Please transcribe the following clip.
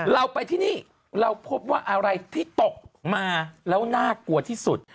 เราไปที่นี่เราพบว่าอะไรที่ตกมาแล้วน่ากลัวที่สุด